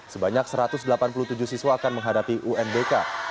sebanyak satu ratus delapan puluh tujuh siswa akan menghadapi unbk